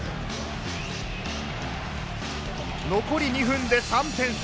残り２分で３点差。